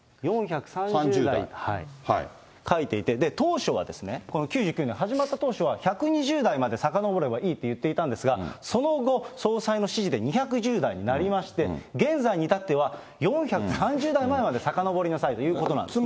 ４３０代と書いていて、当初は、この９９年、始まった当初は、１２０代までさかのぼればいいと言っていたんですが、その後、総裁の指示で２１０代になりまして、現在に至っては、４３０代前まで、さかのぼりなさいということなんです。